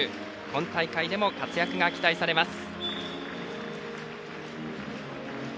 今大会でも活躍が期待されます。